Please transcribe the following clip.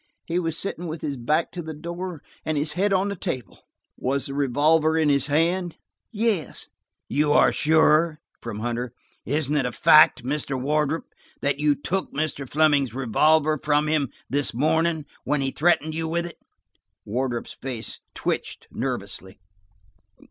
He was sitting with his back to the door, and his head on the table." "Was the revolver in his hand?" "Yes." "You are sure?" from Hunter. "Isn't it a fact, Mr. Wardrop, that you took Mr. Fleming's revolver from him this morning when he threatened you with it?" Wardrop's face twitched nervously.